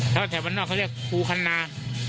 แถวบ้านนอกเขาเรียกครูคันนา